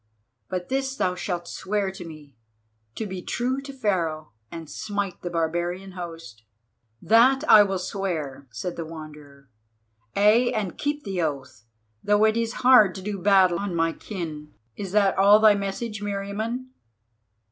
But this thou shalt swear to me, to be true to Pharaoh, and smite the barbarian host." "That I will swear," said the Wanderer, "ay, and keep the oath, though it is hard to do battle on my kin. Is that all thy message, Meriamun?"